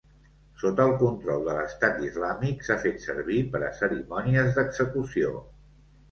Sota el control de l'Estat Islàmic s'ha fet servir per a cerimònies d'execució.